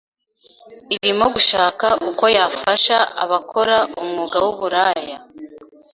irimo gushaka uko yafasha abakora umwuga w’uburaya